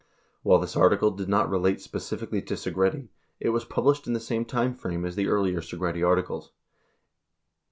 While this article did not relate specifically to Segretti, it was published in the same time frame as the earlier Segretti articles.